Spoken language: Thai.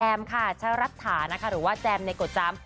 แจมค่ะชั้ระสระหรือว่าแจมในกฎตาม